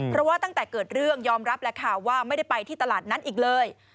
เพราะว่าตั้งแต่เกิดเรื่องยอมรับแหละค่ะว่าไม่ได้ไปที่ตลาดนั้นอีกเลย